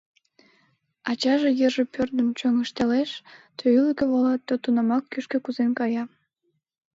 Ачаже йырже пӧрдын чоҥештылеш — то ӱлыкӧ вола, то тунамак кӱшкӧ кӱзен кая.